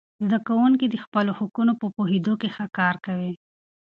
زده کوونکي د خپلو حقونو په پوهیدو کې ښه کار کوي.